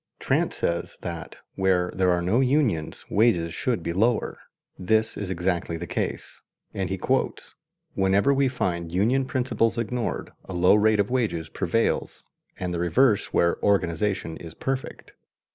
Trant says that "where there are no unions wages should be lower. This is exactly the case"; and he quotes: "Wherever we find union principles ignored, a low rate of wages prevails and the reverse where organization is perfect."